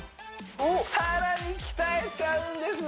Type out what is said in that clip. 更に鍛えちゃうんですね